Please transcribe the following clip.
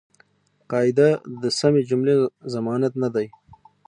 قاعده د سمي جملې ضمانت دئ.